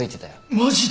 マジで！？